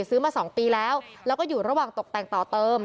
ซื้อมา๒ปีแล้วแล้วก็อยู่ระหว่างตกแต่งต่อเติม